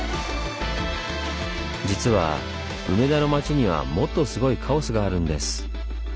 実は梅田の街にはもっとすごいカオスがあるんです。